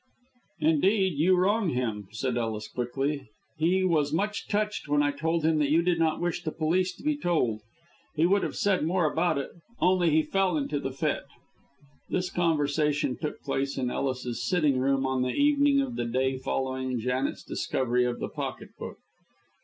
"Indeed you wrong him," said Ellis, quickly. "He was much touched when I told him that you did not wish the police to be told. He would have said more about it, only he fell into the fit." This conversation took place in Ellis's sitting room on the evening of the day following Janet's discovery of the pocket book.